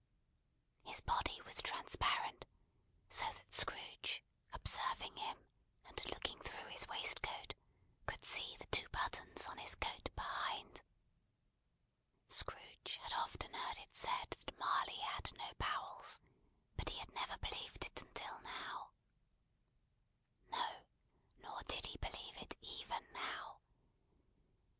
His body was transparent; so that Scrooge, observing him, and looking through his waistcoat, could see the two buttons on his coat behind. Scrooge had often heard it said that Marley had no bowels, but he had never believed it until now. No, nor did he believe it even now.